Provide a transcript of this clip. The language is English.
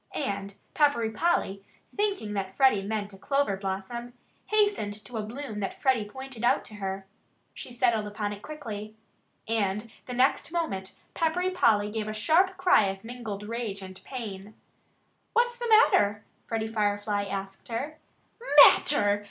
And Peppery Polly thinking that Freddie meant a clover blossom hastened to a bloom that Freddie pointed out to her. She settled upon it quickly. And the next moment Peppery Polly gave a sharp cry of mingled rage and pain. "What's the matter?" Freddie Firefly asked her. "Matter!"